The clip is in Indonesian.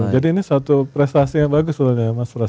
jadi ini satu prestasi yang bagus ya mas pras